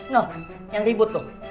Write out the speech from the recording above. loh yang ribut tuh